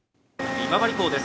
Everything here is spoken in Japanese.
今治港です。